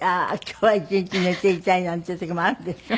今日は一日寝ていたいなんていう時もあるでしょ？